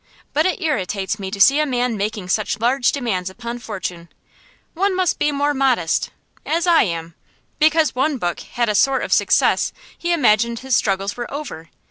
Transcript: But it irritates me to see a man making such large demands upon fortune. One must be more modest as I am. Because one book had a sort of success he imagined his struggles were over.